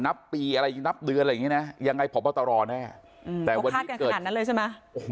นับปีอะไรนับเดือนอะไรอย่างเงี้นะยังไงพบตรแน่แต่วันนี้แกขนาดนั้นเลยใช่ไหม